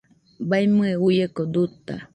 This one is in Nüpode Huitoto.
Baiñɨe uieko duta